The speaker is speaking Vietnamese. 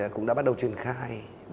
cũng đã bắt đầu truyền khai